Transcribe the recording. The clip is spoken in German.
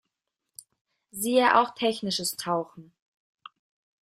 Siehe auch Technisches Tauchen.